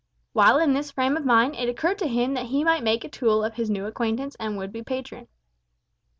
While in this frame of mind it occurred to him that he might make a tool of his new acquaintance and would be patron.